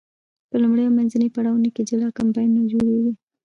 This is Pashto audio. په لومړنیو او منځنیو پړاوونو کې جلا کمپاینونه جوړیږي.